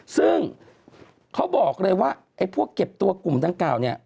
ซึ่งเขาบอกเลยว่าไอ้พวกเก็บตัวกลุ่มดังกล่าวเนี่ย